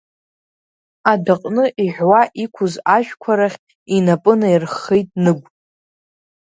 Адәаҟны иҳәуа иқәыз ажәқәа рахь инапы наирххеит Ныгә.